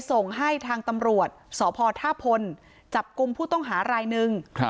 ส่งให้ทางตำรวจสพท่าพลจับกลุ่มผู้ต้องหารายหนึ่ง